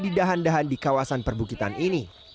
di dahan dahan di kawasan perbukitan ini